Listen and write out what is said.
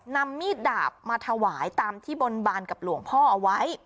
นำมีดดาบมาถวายตามที่บนบานกับหลวงพ่อเอาไว้